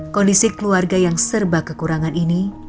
kondisi keluarga yang serba kekurangan ini